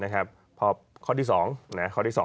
ข้อที่๒